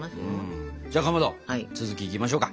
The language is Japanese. じゃあかまど続きいきましょうか？